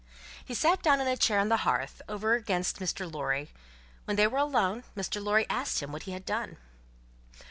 He sat down in a chair on the hearth, over against Mr. Lorry. When they were alone, Mr. Lorry asked him what he had done?